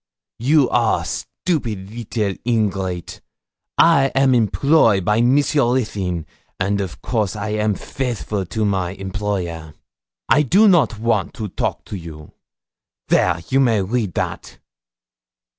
'You are stupid little ingrate, I am employ by Monsieur Ruthyn, and of course I am faithful to my employer. I do not want to talk to you. There, you may read that.'